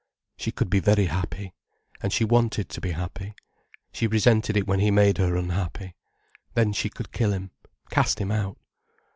She could be very happy. And she wanted to be happy. She resented it when he made her unhappy. Then she could kill him, cast him out.